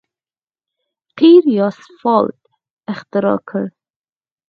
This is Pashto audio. قیر یا سفالټ اختراع کړ.